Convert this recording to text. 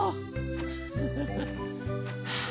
フフフフ。